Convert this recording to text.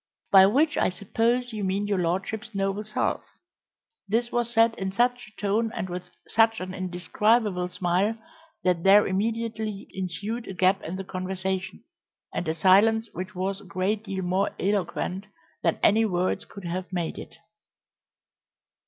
"By which I suppose you mean your lordship's noble self." This was said in such a tone and with such an indescribable smile that there immediately ensued a gap in the conversation, and a silence which was a great deal more eloquent than any words could have made it.